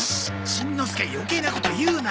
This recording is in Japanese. しんのすけ余計なこと言うな。